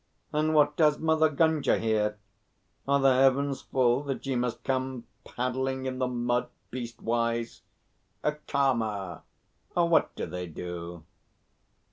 And what does Mother Gunga here? Are the heavens full that ye must come paddling in the mud beast wise? Karma, what do they do?"